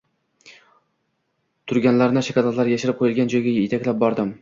Turganlarni shokoladlar yashirib qo‘yilgan joyga yetaklab bordim